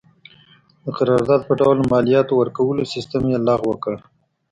د قرارداد په ډول مالیاتو ورکولو سیستم یې لغوه کړ.